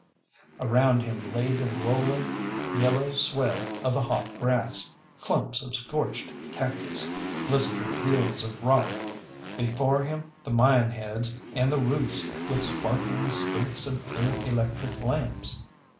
Around him lay the rolling yellow swell of the hot grass, clumps of scorched cactus, blistered hills of rock; before him the mine heads and the roofs with sparkling streaks of blue electric lamps.